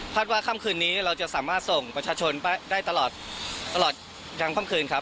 ว่าค่ำคืนนี้เราจะสามารถส่งประชาชนไปได้ตลอดตลอดกลางค่ำคืนครับ